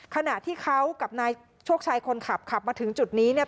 ขณะที่เขากับนายโชคชัยคนขับขับมาถึงจุดนี้เนี่ย